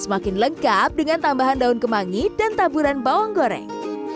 semakin lengkap dengan tambahan daun kemangi dan taburan bawang goreng